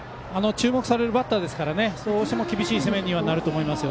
注目されるバッターですからどうしても厳しい攻めにはなると思います。